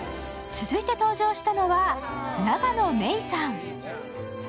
続いて登場したのは永野芽郁さん。